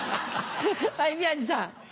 はい宮治さん。